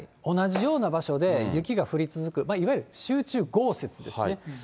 同じような場所で雪が降り続く、いわゆる集中豪雪ですね。